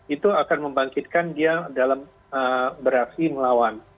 itu akan membangkitkan dia dalam beraksi melawan